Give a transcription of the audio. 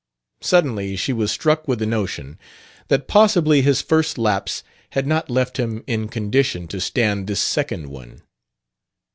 Suddenly she was struck with the notion that possibly his first lapse had not left him in condition to stand this second one.